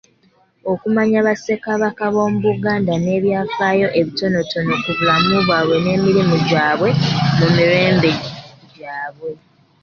Okumanya Bassekabaka b'omu Buganda n'ebyafaayo ebitonotono ku bulamu bwabwe n'emirimu gyabwe mu mirembe gyabwe.